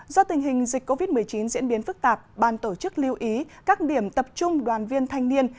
do tình hình dịch covid một mươi chín diễn biến phức tạp ban tổ chức lưu ý các điểm tập trung đoàn viên thanh niên